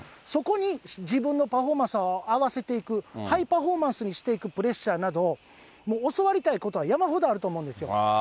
そこに自分のパフォーマンスを合わせていく、ハイパフォーマンスにしていくプレッシャーなど、教わりたいことは山ほどあると思うんですよ。